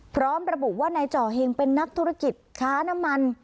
พร้อมระบุว่านายจ่อเหงเป็นนักธุรกิจค้าน้ำมัน